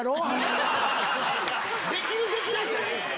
できるできないじゃないんですよ。